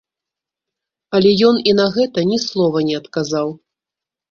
Але ён і на гэта ні слова не адказаў.